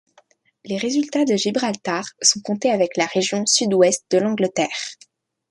Les résultats de Gibraltar sont contés avec la région Sud-Ouest de l'Angleterre.